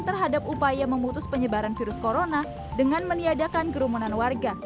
terhadap upaya memutus penyebaran virus corona dengan meniadakan kerumunan warga